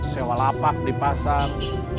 sewa lapak dipasang